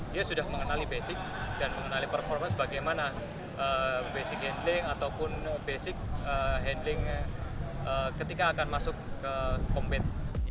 dia sudah mengenali basic dan mengenali performance bagaimana basic handling ataupun basic handling ketika akan masuk ke pompa